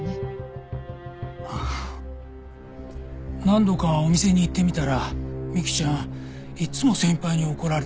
何度かお店に行ってみたら美希ちゃんいつも先輩に怒られてて。